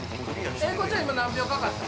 英孝ちゃん、今何秒かかった？